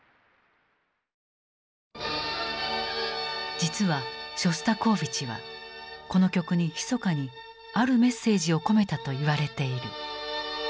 実はショスタコーヴィチはこの曲にひそかにあるメッセージを込めたと言われている。